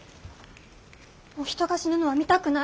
もう人が死ぬのは見たくない。